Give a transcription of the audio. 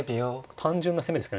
単純な攻めですけどね。